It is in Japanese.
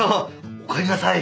おかえりなさい！